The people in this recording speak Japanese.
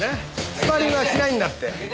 スパーリングはしないんだって。